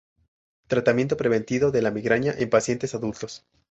Tratamiento preventivo de la migraña en pacientes adultos.